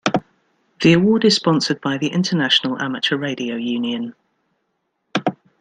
The award is sponsored by the International Amateur Radio Union.